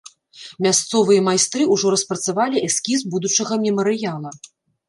Мясцовыя майстры ўжо распрацавалі эскіз будучага мемарыяла.